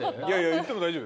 言っても大丈夫よ。